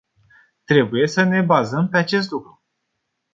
Trebuie să ne bazăm pe acest lucru.